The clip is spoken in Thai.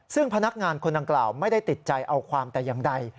ซึ่งพนักงานคนดังกล่าวไม่ได้ติดใจเอาความแต่อย่างใด